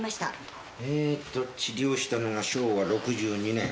ええと治療したのが昭和６２年。